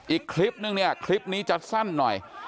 อีกคลิปนึงเนี่ยคลิปนี้จะสั้นหน่อย